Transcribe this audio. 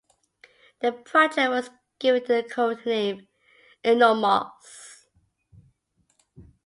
The project was given the codename "Enormoz".